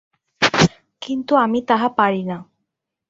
কিন্তু আমি তাহা পারি না।